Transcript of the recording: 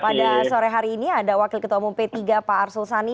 pada sore hari ini ada wakil ketua umum p tiga pak arsul sani